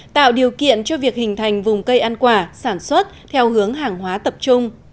tạo điều kiện cho việc hình thành vùng cây ăn quả sản xuất theo hướng hàng hóa tập trung